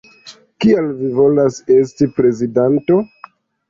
Kial vi volas esti prezidanto?